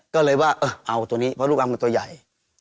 ก็เลยว่าเอาตัวนี้เพราะลูกอัมเป็นตัวใหญ่